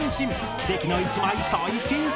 奇跡の１枚最新作